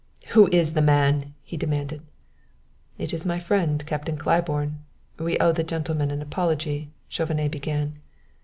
"Who is the man?" he demanded. "It is my friend Captain Claiborne. We owe the gentleman an apology " Chauvenet began.